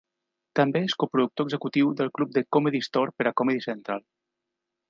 També és coproductor executiu del club The Comedy Store per a Comedy Central.